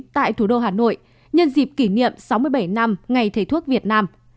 tại thủ đô hà nội nhân dịp kỷ niệm sáu mươi bảy năm ngày thầy thuốc việt nam